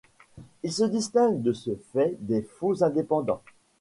Ils se distinguent de ce fait des faux indépendants.